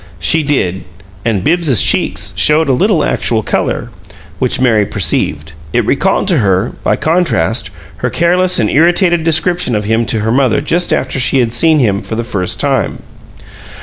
She did; and Bibbs's cheeks showed a little actual color, which Mary perceived. It recalled to her, by contrast, her careless and irritated description of him to her mother just after she had seen him for the first time.